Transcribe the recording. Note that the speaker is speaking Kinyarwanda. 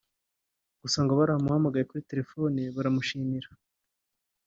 gusa ngo baramuhamagaye kuri telefoni baramushimira